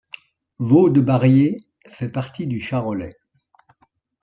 Vaudebarrier fait partie du Charolais.